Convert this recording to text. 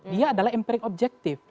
dia adalah empirik objektif